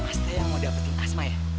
mas teh yang mau dapetin asma ya